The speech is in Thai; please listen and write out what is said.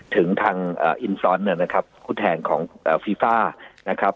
ถึงทางเอ่อนะครับคุณแทนของเอ่อนะครับ